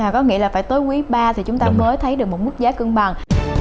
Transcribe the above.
có nghĩa là phải tới quý ba thì chúng ta mới thấy được một mức giá cân bằng